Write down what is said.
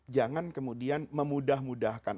jangan kemudian memudah mudahkan